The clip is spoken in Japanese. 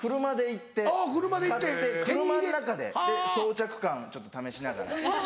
買って車の中で装着感ちょっと試しながら。